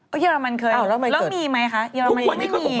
โอ้ยเยอรมนเคยแล้วมีไหมคะเยอรมนียังไม่มี